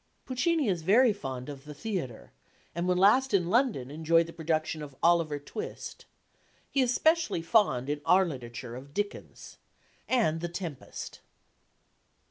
Puccini is very fond of the theatre, and when last in London enjoyed the production of Oliver Twist he is specially fond, in our literature, of Dickens and The Tempest.